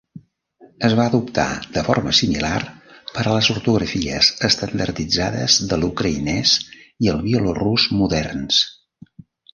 Es va adoptar de forma similar per a les ortografies estandarditzades de l'ucraïnès i el bielorús moderns.